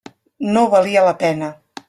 No valia la pena.